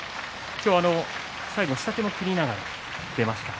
最後下手も切りながら出ました。